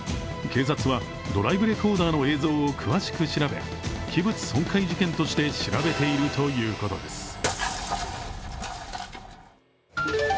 警察はドライブレコーダーの映像を詳しく調べ器物損壊事件として調べているということです。